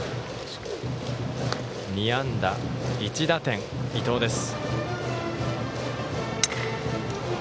２安打１打点、伊藤です。